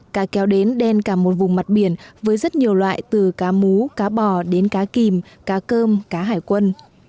cá kéo đến đen cả một vùng mặt biển với rất nhiều loại từ cá mú cá bò đến cá kìm cá cơm cá hải quân